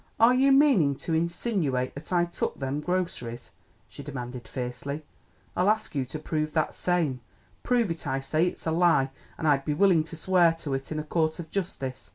"Are you meaning to insinooate that I took them groceries?" she demanded fiercely. "I'll ask you to prove that same. Prove it, I say! It's a lie, an' I'd be willin' to swear to it in a court of justice.